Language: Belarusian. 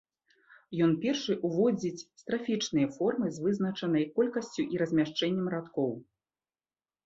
Ён першы ўводзіць страфічныя формы з вызначанай колькасцю і размяшчэннем радкоў.